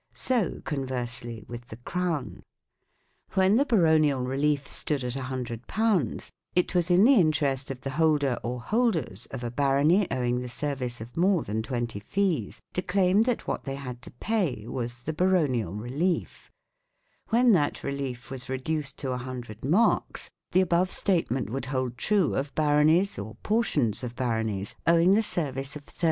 So, con versely, with the Crown. When the baronial relief stood at 100, it was in the interest of the holder, or holders, of a barony owing the service of more than twenty fees to claim that what they had to pay was the baronial relief; when that relief was reduced to 100 marcs, the above statement would hold true of baronies (or portions of baronies) owing the service of thirteen 1 Pipe Roll, 12 Edw.